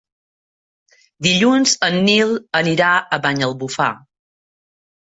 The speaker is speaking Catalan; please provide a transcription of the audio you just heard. Dilluns en Nil anirà a Banyalbufar.